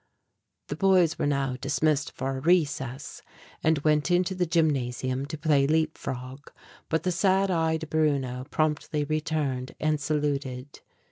The boys were now dismissed for a recess and went into the gymnasium to play leap frog. But the sad eyed Bruno promptly returned and saluted.